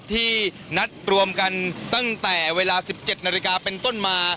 ที่นัดรวมกันตั้งแต่เวลา๑๗นาฬิกาเป็นต้นมา